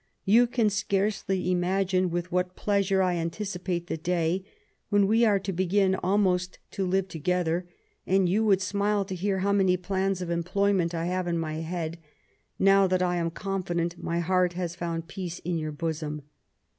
Ton can scarcely imagine with what pleasure I anticipate the day when we are to begin almost to live together ; and you wonld smile to hear how many plans of employment I have in my head, now that I am confident my heart has fomid peace in your bosom.